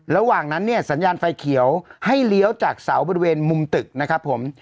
ระหว่างนั้นเนี่ยสัญญาณไฟเขียวให้เลี้ยวจากเสาบริเวณมุมตึกนะครับผม